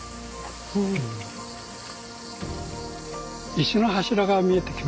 石の柱が見えてきました。